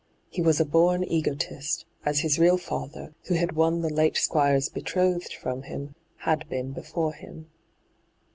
He was a born egotist, as his real father, who had woo the late Squire's betrothed from him, had been before him.